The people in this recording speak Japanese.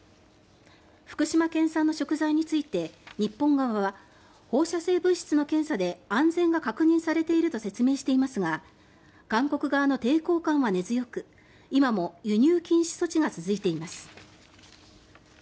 福島県産の食材について日本側は放射性物質の検査で安全が確認されていると説明していますが韓国側の抵抗感は根強く今も輸入禁止措置が続いています。